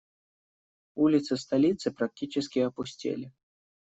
Улицы столицы практически опустели.